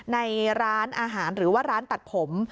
ในร้านอาหารหรือว่าร้านตัดผม